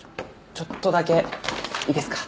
ちょっとだけいいですか？